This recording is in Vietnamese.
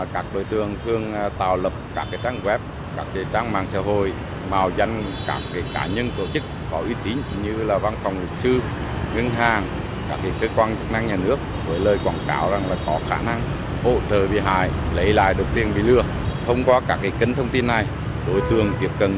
các đối tượng bị lừa năm mươi chín triệu đồng